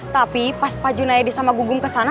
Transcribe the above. tapi pas pak junaedi sama gugum kesana